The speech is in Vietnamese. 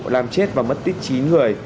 làm chết và mất tích chín người